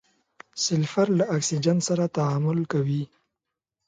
سلفر له اکسیجن سره تعامل کوي.